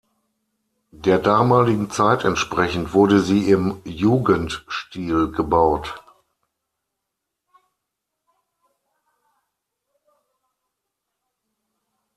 Der damaligen Zeit entsprechend wurde sie im Jugendstil gebaut.